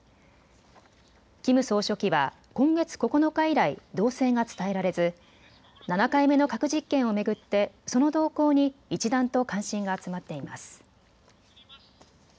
キム総書記は今月９日以来、動静が伝えられず７回目の核実験を巡ってその動向に一段と関心が集まっています。